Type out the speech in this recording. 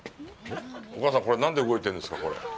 お母さん、これ、何で動いてるんですか、これ。